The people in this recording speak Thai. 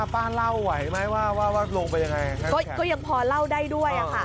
ป้าเล่าไหวไหมว่าลงไปยังไงก็ยังพอเล่าได้ด้วย